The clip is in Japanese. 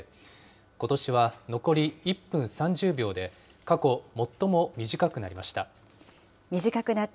ことしは残り１分３０秒で、過去最も短くなりました。